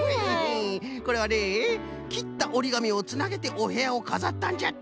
これはねきったおりがみをつなげておへやをかざったんじゃって。